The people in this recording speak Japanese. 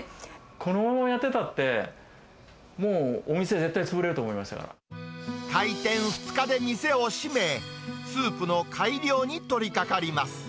このままやってたって、もうお店、開店２日で店を閉め、スープの改良に取りかかります。